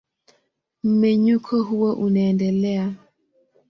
Mmenyuko huo unaendelea.